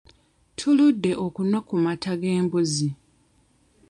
Tuludde okunywa ku mata g'embuzi.